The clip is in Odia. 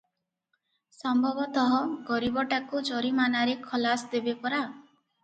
ସମ୍ଭବତଃ ଗରିବଟାକୁ ଜରିମାନାରେ ଖଲାସ ଦେବେ ପରା?